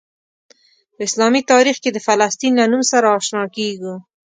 په اسلامي تاریخ کې د فلسطین له نوم سره آشنا کیږو.